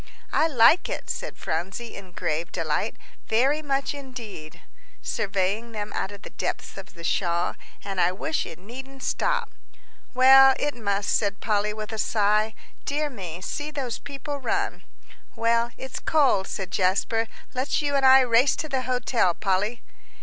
"I like it," said Phronsie, in grave delight, "very much, indeed," surveying them out of the depths of the shawl, "and I wish it needn't stop." "Well, it must," said Polly, with a sigh. "Dear me, see those people run." "Well, it's cold," said Jasper; "let's you and I race to the hotel, Polly."